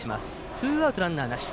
ツーアウト、ランナーなし。